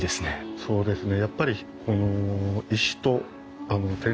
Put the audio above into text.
そうですね。